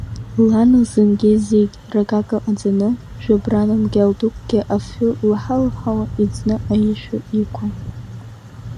Лан лзынгьы зегь ракака ҟаҵаны, жәабран мгьал дукгьы афҩы лаҳалаҳауа иӡны аишәа иқәын.